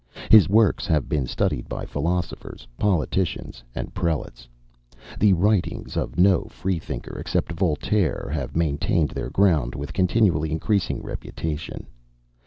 His works have been studied by philosophers, politicians, and prelates. The writings of no Freethinker, except Voltaire, have maintained their ground with continually increasing reputation.